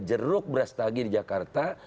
jeruk berastagi di jakarta